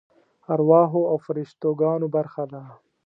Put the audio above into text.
ارواحو او فرشته ګانو برخه ده.